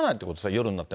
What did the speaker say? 夜になっても。